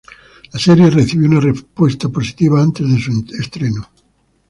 La serie recibió una respuesta positiva antes de su estreno.